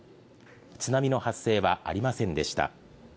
津波の発生はありませんでした。